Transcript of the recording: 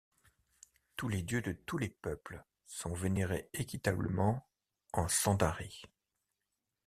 Tous les dieux de tous les peuples sont vénérés équitablement en Sendarie.